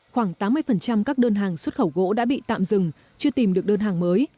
khoảng tám mươi các đơn hàng xuất khẩu gỗ đã bị tạm dừng chưa tìm được đơn hàng mới